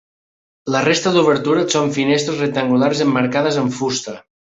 La resta d'obertures són finestres rectangulars emmarcades en fusta.